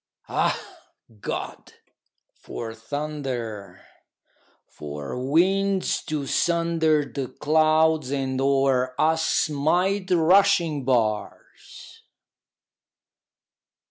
Ah, God! for thunder! for winds to sunder The clouds and o'er us smite rushing bars!